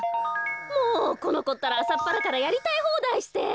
もうこのこったらあさっぱらからやりたいほうだいして。